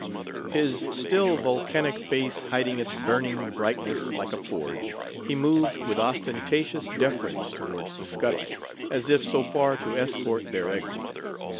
His still, Vulcanic face hiding its burning brightness like a forge, he moved with ostentatious deference towards the scuttle, as if so far to escort their exit.